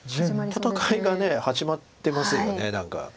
戦いが始まってますよね何か。